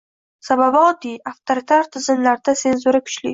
Sababi, oddiy: avtoritar tizimlarda senzura kuchli